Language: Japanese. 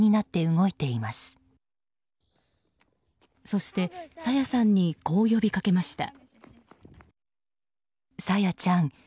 そして、朝芽さんにこう呼びかけました。